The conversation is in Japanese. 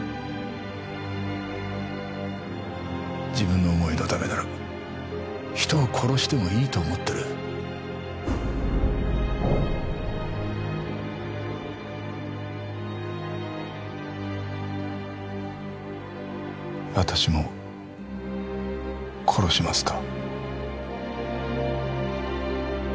自分の思いのためなら人を殺してもいいと思ってる私も殺しますか？